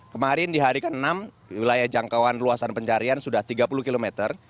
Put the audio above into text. kemarin di hari ke enam wilayah jangkauan luasan pencarian sudah tiga puluh kilometer